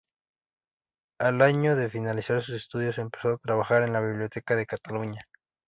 Al año de finalizar sus estudios, empezó a trabajar en la Biblioteca de Cataluña.